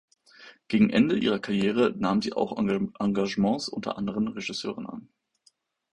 Gegen Ende ihrer Karriere nahm sie auch Engagements unter anderen Regisseuren an.